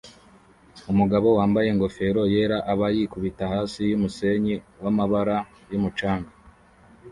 umugabo wambaye ingofero yera aba yikubita hasi yumusenyi wamabara yumucanga